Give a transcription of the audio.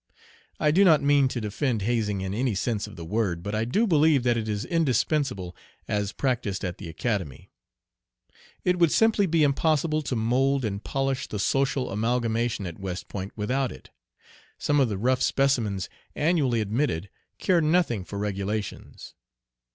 I do not mean to defend hazing in any sense of the word; but I do believe that it is indispensable as practised at the Academy. It would simply be impossible to mould and polish the social amalgamation at West Point without it. Some of the rough specimens annually admitted care nothing for regulations.